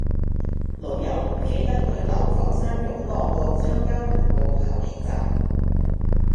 老友唔記得去流浮山湧浪路參加緩步跑練習